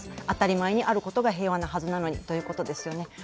当たり前にあることが平和なはずなのにということですよね。